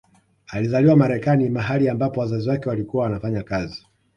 Alizaliwa Marekani mahali ambapo wazazi wake walikuwa wanafanya kazi